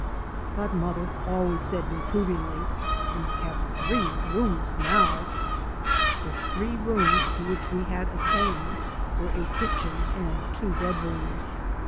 But mother always said reprovingly, " We have three rooms now I " The three rooms to which we had attained were a kitchen and two bedrooms.